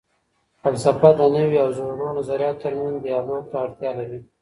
فلسفه د نوي او زړو نظریاتو تر منځ دیالوګ ته اړتیا لري.